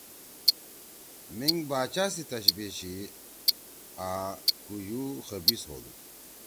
مینگ باچا سی تشبہ چھی آں کُوژُو خبیث ہودُو۔